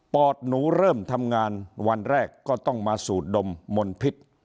อดหนูเริ่มทำงานวันแรกก็ต้องมาสูดดมมนพิษ